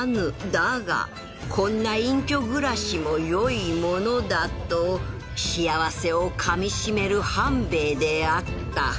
だがこんな隠居暮らしも良いものだと幸せをかみしめる半兵衛であった